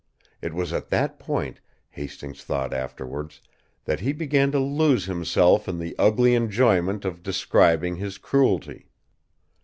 It was at that point, Hastings thought afterwards, that he began to lose himself in the ugly enjoyment of describing his cruelty.